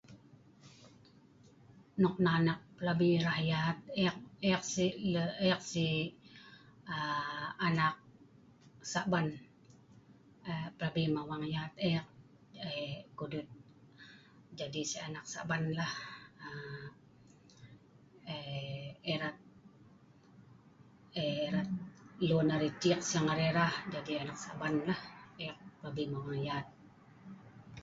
Nok nan eek plabi rah yaat eek si' eek si' um anak Sa'ban um plabi mawang yaat eek [unintelligible] kuduet jadi si' anak Sa'ban lah um [unintelligible] erat, erat lun arai ciek arai rah jadi anak Sa'ban lah eek plabi mawang yaat